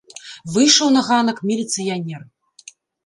Выйшаў на ганак міліцыянер.